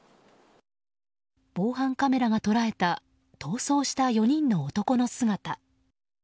防犯カメラが捉えた逃走した４人の男の姿。